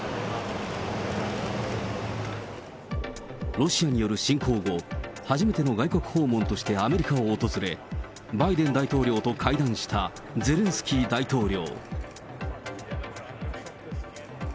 ロシアによる侵攻後、初めての外国訪問としてアメリカを訪れ、バイデン大統領と会談したゼレンスキー大統領。